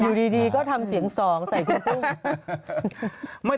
อยู่ดีก็ทำเสียงสองใส่พี่กุ้ง